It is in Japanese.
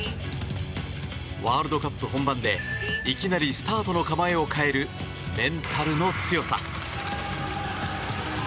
ワールドカップ本番でいきなりスタートの構えを変えるメンタルの強さ。